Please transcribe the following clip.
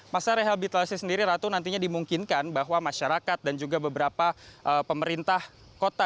masa rehabilitasi sendiri ratu nantinya dimungkinkan bahwa masyarakat dan juga beberapa pemerintah kota